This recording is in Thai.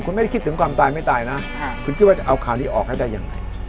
คุณไม่ได้คิดถึงความตายไม่ตายนะคุณคิดว่าจะเอาข่าวนี้ออกให้ได้ยังไง